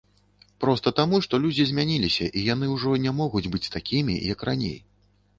Проста таму, што людзі змяніліся і яны ўжо не могуць быць такімі, як раней.